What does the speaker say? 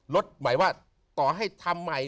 หมายว่าต่อให้ทำใหม่